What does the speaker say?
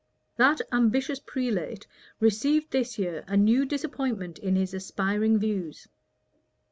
That ambitious prelate received this year a new disappointment in his aspiring views.